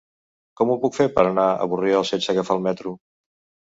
Com ho puc fer per anar a Borriol sense agafar el metro?